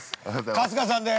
春日さんです。